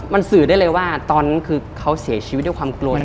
มันสื่อได้เลยว่าตอนนั้นคือเขาเสียชีวิตด้วยความกลัว